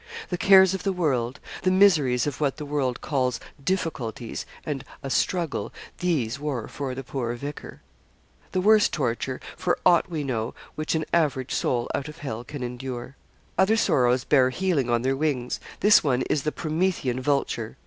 The cares of the world the miseries of what the world calls 'difficulties' and a 'struggle' these were for the poor vicar; the worst torture, for aught we know, which an average soul out of hell can endure. Other sorrows bear healing on their wings; this one is the Promethean vulture.